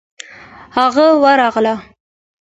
هغه ورغله.